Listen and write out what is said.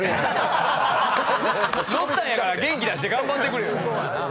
乗ったんやから元気出して頑張ってくれよ。